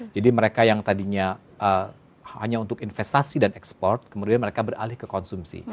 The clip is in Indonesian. jadi mereka yang tadinya hanya untuk investasi dan ekspor kemudian mereka beralih ke konsumsi